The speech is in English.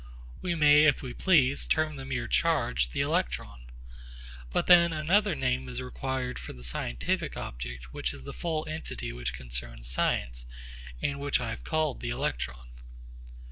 We may if we please term the mere charge the electron. But then another name is required for the scientific object which is the full entity which concerns science, and which I have called the electron.